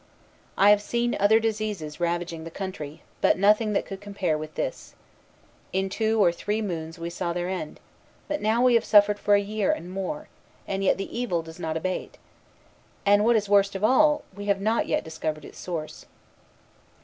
I have seen other diseases ravaging the country, but nothing that could compare with this. In two or three moons we saw their end: but now we have suffered for a year and more, and yet the evil does not abate. And what is worst of all, we have not yet discovered its source."